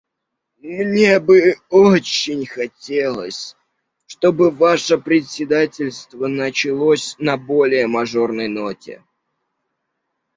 Мне бы очень хотелось, чтобы Ваше председательство началось на более мажорной ноте.